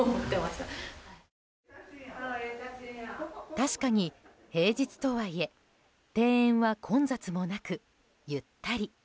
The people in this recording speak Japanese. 確かに平日とはいえ庭園は混雑もなくゆったり。